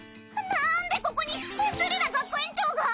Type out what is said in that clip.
なんでここにフェスリダ学園長が！？